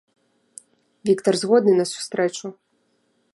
Віктар згодны на сустрэчу.